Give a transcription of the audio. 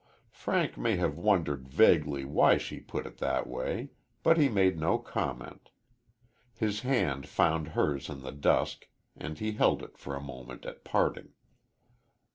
Frank may have wondered vaguely why she put it in that way, but he made no comment. His hand found hers in the dusk, and he held it for a moment at parting.